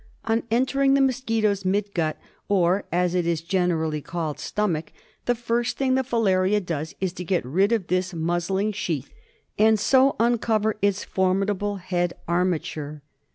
On entering the mosquito's midgut, or, as it is generally called, stomach, the first thing the filaria does is to get rid of this muzzling sheath, and so uncover its for midable head arma ture 78 KILARIASIS.